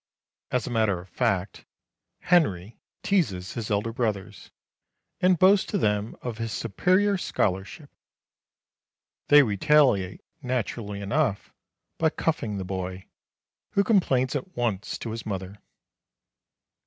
As a matter of fact, Henry teases his elder brothers, and boasts to them of his superior scholarship; they retaliate, naturally enough, by cuffing the boy, who complains at once to his mother.